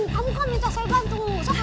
kamu kok minta saya bantu